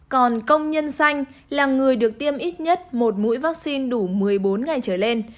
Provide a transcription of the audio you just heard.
còn công nhân xanh là người được tiêm ít nhất một mũi vaccine đủ một mươi bốn ngày trở lên